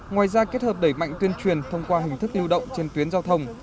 ngoài ra kết hợp đẩy mạnh tuyên truyền thông qua hình thức lưu động trên tuyến giao thông